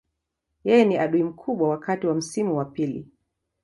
Yeye ni adui mkubwa wakati wa msimu wa pili.